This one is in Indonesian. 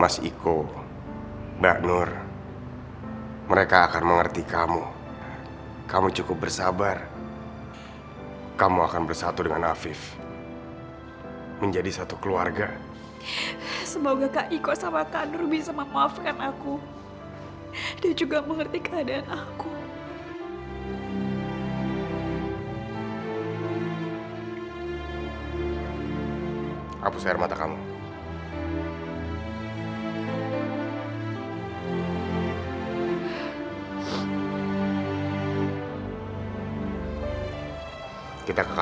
sampai jumpa di video selanjutnya